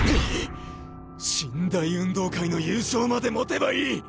神・大運動会の優勝まで持てばいい！